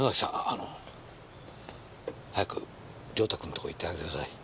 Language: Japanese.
あの早く良太君のところへ行ってあげてください。